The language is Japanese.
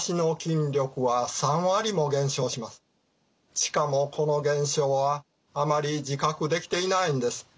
しかもこの現象はあまり自覚できていないんです。